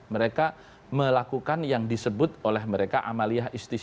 mereka melakukan yang disebut oleh mereka amalia